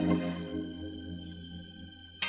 kepala kota garut